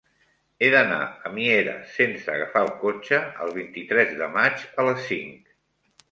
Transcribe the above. He d'anar a Mieres sense agafar el cotxe el vint-i-tres de maig a les cinc.